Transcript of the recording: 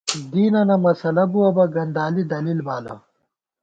دینَنہ مسَلہ بُوَہ بہ گندالی دلیل بالہ